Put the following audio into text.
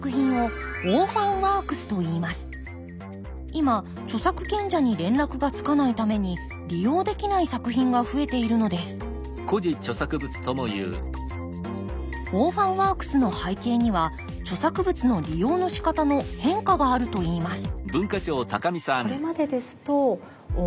今著作権者に連絡がつかないために利用できない作品が増えているのですオーファンワークスの背景には著作物の利用のしかたの変化があるといいます